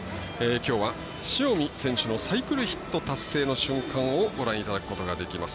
きょうは、塩見選手のサイクルヒット達成の瞬間をご覧いただくことができます。